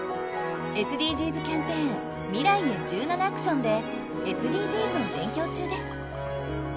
ＳＤＧｓキャンペーン「未来へ１７ａｃｔｉｏｎ」でＳＤＧｓを勉強中です。